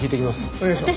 お願いします。